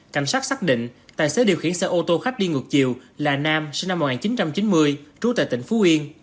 cảnh sát xác định tài xế điều khiển xe ô tô khách đi ngược chiều là nam sinh năm một nghìn chín trăm chín mươi trú tại tỉnh phú yên